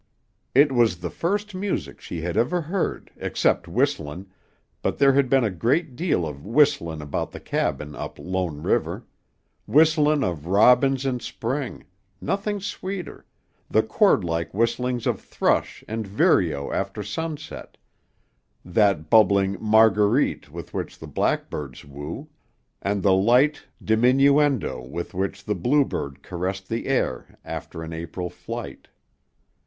It was the first music she had ever heard, "except whistlin'," but there had been a great deal of "whistlin'" about the cabin up Lone River; whistling of robins in spring nothing sweeter the chordlike whistlings of thrush and vireo after sunset, that bubbling "mar guer ite" with which the blackbirds woo, and the light diminuendo with which the bluebird caressed the air after an April flight.